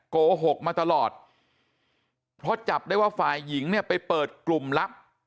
โกหกมาตลอดเพราะจับได้ว่าฝ่ายหญิงเนี่ยไปเปิดกลุ่มลับ